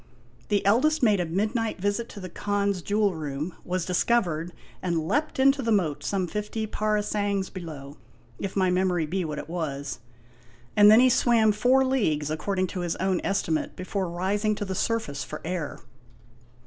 "The eldest made a midnight visit to the Khan's jewel room, was discovered and leaped into the moat, some fifty parasangs below, if my memory be what it was ; and then he swam four leagues, according to his own estimate, before rising to the surface for air."